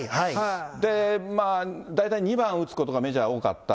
で、大体２番打つことがメジャーは多かった。